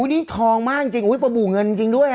อุ้ยนี่ทองมากจริงประบูเงินจริงด้วยฮะ